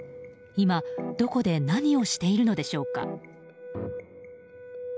今、どこで何をしているのでしょうか。